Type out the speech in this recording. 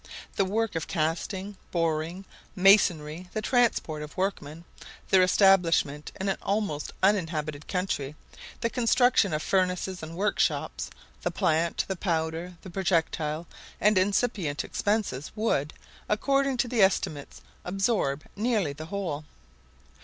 The work of casting, boring, masonry, the transport of workmen, their establishment in an almost uninhabited country, the construction of furnaces and workshops, the plant, the powder, the projectile, and incipient expenses, would, according to the estimates, absorb nearly the whole.